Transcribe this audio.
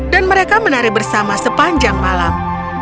dan mereka menari bersama sepanjang malam